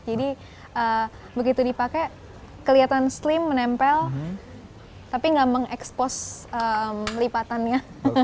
jadi begitu dipakai kelihatan slim menempel tapi nggak mengekspos lipatannya